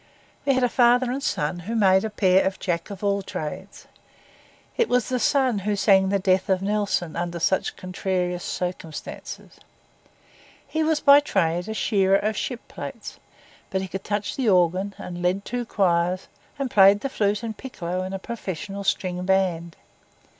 We had a father and son who made a pair of Jacks of all trades. It was the son who sang the 'Death of Nelson' under such contrarious circumstances. He was by trade a shearer of ship plates; but he could touch the organ, and led two choirs, and played the flute and piccolo in a professional string band.